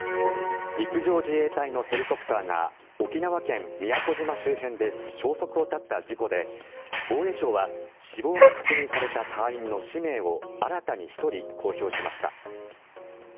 陸上自衛隊のヘリコプターが沖縄県・宮古島周辺で消息を絶った事故で防衛省は死亡が確認された隊員の氏名を新たに１人公表しました。